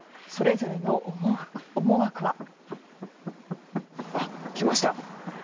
それぞれの思惑は。来ました。